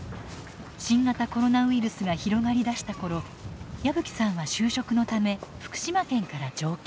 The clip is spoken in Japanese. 新型コロナウイルスが広がり出した頃矢吹さんは就職のため福島県から上京。